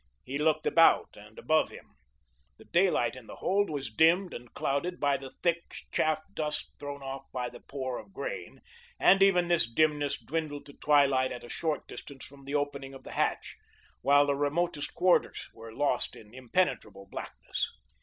He looked about and above him. The daylight in the hold was dimmed and clouded by the thick, chaff dust thrown off by the pour of grain, and even this dimness dwindled to twilight at a short distance from the opening of the hatch, while the remotest quarters were lost in impenetrable blackness.